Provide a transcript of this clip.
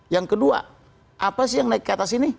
yang kedua apa sih yang naik ke atas ini